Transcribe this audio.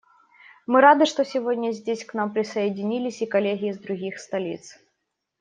Мы рады, что сегодня здесь к нам присоединились и коллеги из других столиц.